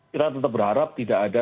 kita tetap berharap tidak ada